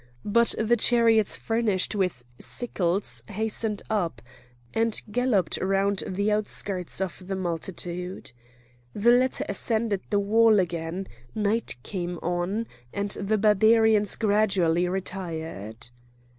But the chariots furnished with sickles hastened up, and galloped round the outskirts of the multitude. The latter ascended the wall again; night came on; and the Barbarians gradually retired.